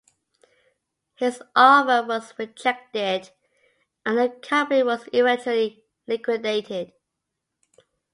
His offer was rejected and the company was eventually liquidated.